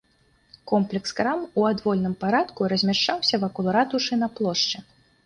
Комплекс крам у адвольным парадку размяшчаўся вакол ратушы на плошчы.